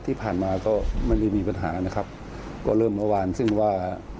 ที่ผ่านมาก็ไม่ได้มีปัญหานะครับก็เริ่มเมื่อวานซึ่งว่า